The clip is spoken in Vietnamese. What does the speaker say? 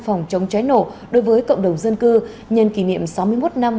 phòng chống cháy nổ đối với cộng đồng dân cư nhân kỷ niệm sáu mươi một năm